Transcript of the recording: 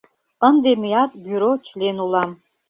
Мыят ынде бюро член улам.